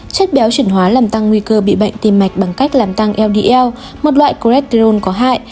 chất béo chuyển hóa làm tăng nguy cơ bị bệnh tim mạch bằng cách làm tăng ld một loại choletrone có hại